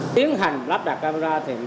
tiến hành lắp đặt camera thì